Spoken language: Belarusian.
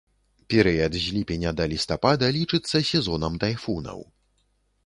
Перыяд з ліпеня да лістапада лічыцца сезонам тайфунаў.